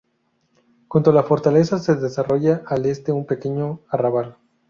Junto a la fortaleza se desarrolla al este un pequeño arrabal.